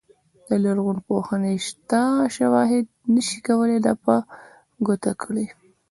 د لرغونپوهنې شته شواهد نه شي کولای دا په ګوته کړي.